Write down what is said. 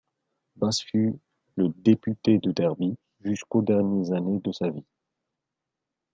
Bass fut le député de Derby jusqu'aux dernières années de sa vie.